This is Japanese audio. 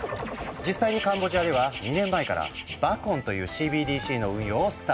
実際にカンボジアでは２年前から「バコン」というＣＢＤＣの運用をスタート。